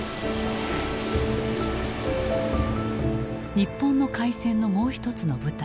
日本の開戦のもう一つの舞台